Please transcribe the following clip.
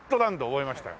覚えましたよ。